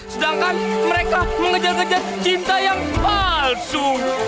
sedangkan mereka mengejar ngejar cinta yang palsu